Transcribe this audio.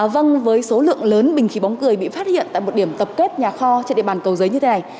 vâng với số lượng lớn bình khí bóng cười bị phát hiện tại một điểm tập kết nhà kho trên địa bàn cầu giấy như thế này